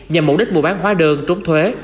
nhằm mục đích bù bán hóa đơn trúng thuế